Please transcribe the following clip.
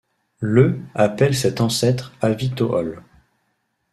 Le appelle cet ancêtre Avitohol.